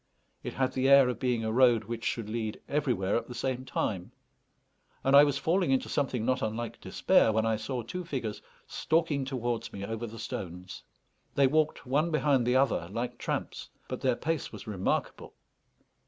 It had the air of being a road which should lead everywhere at the same time; and I was falling into something not unlike despair when I saw two figures stalking towards me over the stones. They walked one behind the other like tramps, but their pace was remarkable.